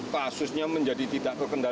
kasusnya menjadi tidak terkendali